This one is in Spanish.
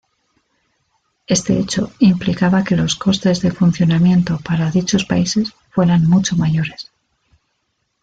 Este hecho implicaba que los costes de funcionamiento para dichos países fueran mucho mayores.